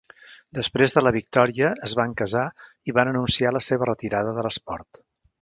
Després de la victòria, es van casar i van anunciar la seva retirada de l'esport.